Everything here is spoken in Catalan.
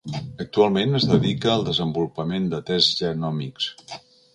Actualment, es dedica al desenvolupament de tests genòmics.